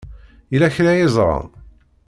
Yella kra ay ẓran?